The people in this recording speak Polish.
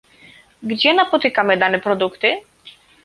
Gdzie napotykamy dane produkty?